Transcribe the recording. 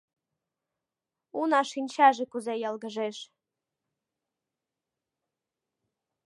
Уна шинчаже кузе йылгыжеш.